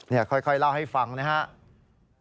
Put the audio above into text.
นี่ค่อยเล่าให้ฟังนะครับ